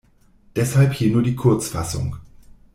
Deshalb hier nur die Kurzfassung.